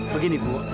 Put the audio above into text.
begini bu ambar